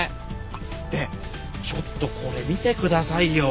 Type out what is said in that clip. あっでちょっとこれ見てくださいよ。